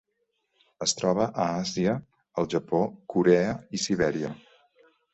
Es troba a Àsia: el Japó, Corea i Sibèria.